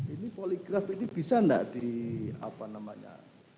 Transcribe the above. ini poligraf ini bisa nggak di apa namanya